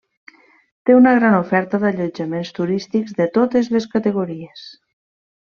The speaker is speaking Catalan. Té una gran oferta d'allotjaments turístics de totes les categories.